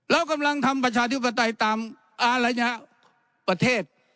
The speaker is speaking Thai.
เรากำลังทำประชาธิปไตยตามอารยะประเทศ